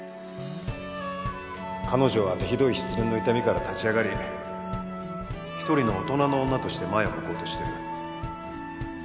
彼女は手ひどい失恋の痛みから立ち上がり一人の大人の女として前を向こうとしてる